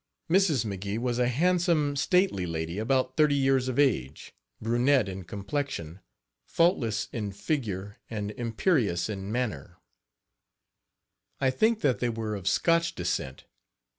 Mrs. McGee was a handsome, stately lady, about thirty years of age, brunette in complexion, faultless in figure and imperious in manner. I think Page 14 that they were of Scotch descent.